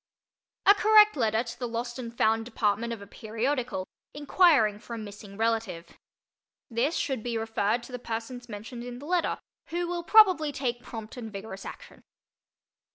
A Correct Letter to the Lost and Found Department of a Periodical, inquiring for a Missing Relative. This should be referred to the persons mentioned in the letter who will probably take prompt and vigorous action.